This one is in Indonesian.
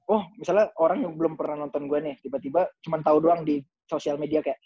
oh misalnya orang yang belum pernah nonton gue nih tiba tiba cuma tahu doang di sosial media kayak